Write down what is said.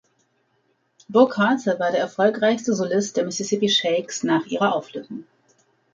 Bo Carter war der erfolgreichste Solist der Mississippi Sheiks nach ihrer Auflösung.